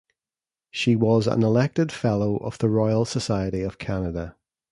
She was an elected fellow of the Royal Society of Canada.